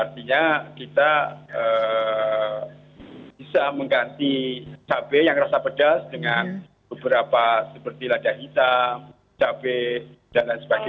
artinya kita bisa mengganti cabai yang rasa pedas dengan beberapa seperti lada hitam cabai dan lain sebagainya